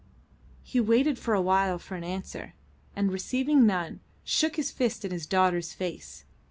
He waited for a while for an answer, and receiving none shook his fist in his daughter's face.